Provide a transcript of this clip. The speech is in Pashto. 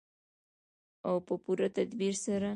او په پوره تدبیر سره.